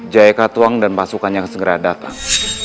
jaya katuang dan pasukan yang segera datang